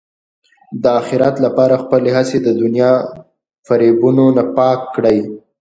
د اخرت لپاره خپلې هڅې د دنیا فریبونو نه پاک کړئ.